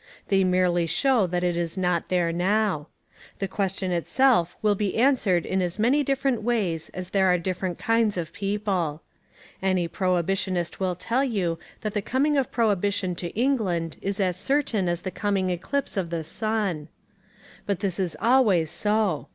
They merely show that it is not there now. The question itself will be answered in as many different ways as there are different kinds of people. Any prohibitionist will tell you that the coming of prohibition to England is as certain as the coming eclipse of the sun. But this is always so.